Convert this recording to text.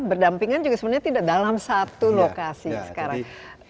berdampingan juga sebenarnya tidak dalam satu lokasi sekarang